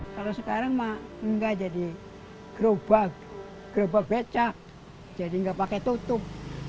kalau sekarang enggak jadi gerobak becak jadi nggak pakai tutup